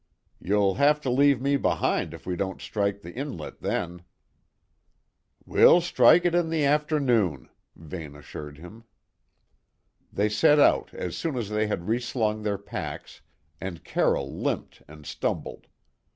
"You'll have to leave me behind if we don't strike the inlet then." "We'll strike it in the afternoon," Vane assured him. They set out as soon as they had reslung their packs, and Carroll limped and stumbled.